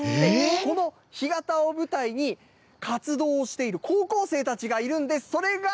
この干潟を舞台に、活動をしている高校生たちがいるんです。